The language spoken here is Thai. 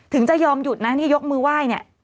ถึงจะยอมหยุดนะยกมือไหว้เนี่ย